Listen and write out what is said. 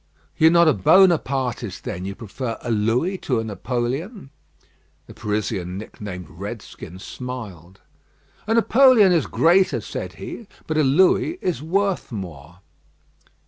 "You are not a Bonapartist, then. You prefer a Louis to a Napoleon." The Parisian nicknamed "Redskin" smiled. "A Napoleon is greater," said he, "but a Louis is worth more."